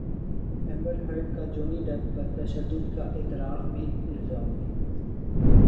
امبر Heard کا Johnny Depp پر تشدد کا اعتراف بھی الزام بھی